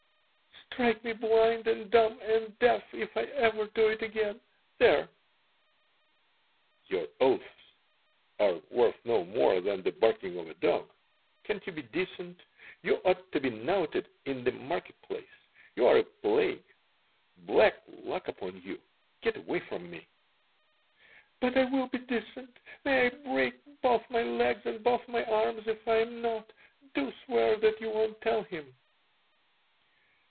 "Strike me blind and dumb and deaf if I ever do it again. There." "Your oaths are worth no more than the barking of a dog. Can't you be decent? You ought to be knouted in the market place. You are a plague. Black luck upon you. Get away from me." "But I will be decent. May I break both my legs and both my arms if I am not. Do swear that you won't tell him."